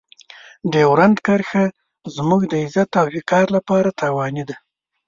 ډیورنډ کرښه زموږ د عزت او وقار لپاره تاواني ده.